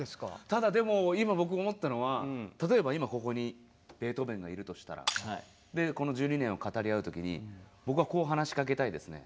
ただでも今僕思ったのは例えば今ここにベートーベンがいるとしたらでこの１２年を語り合う時に僕はこう話しかけたいですね。